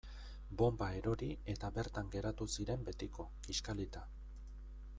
Bonba erori eta bertan geratu ziren betiko, kiskalita.